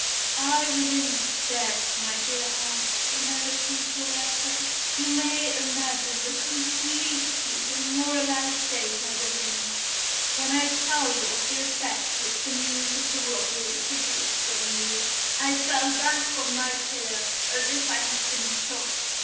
I was in bed, my dear aunt, when I received your letter. You may imagine the completely demoralised state I was in, when I tell you of the effect which the news of the robbery produced on me. I fell back on my pillow, as if I had been shot.